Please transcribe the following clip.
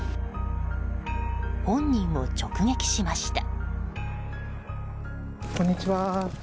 本人を直撃しました。